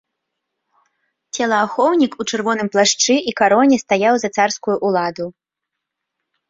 Целаахоўнік у чырвоным плашчы і кароне стаяў за царскую ўладу.